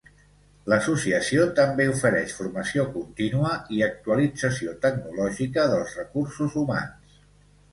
L'associació també ofereix formació contínua i actualització tecnològica dels recursos humans.